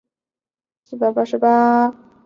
疾病造成的眼部问题需额外治疗。